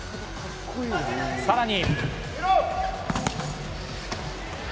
さらに。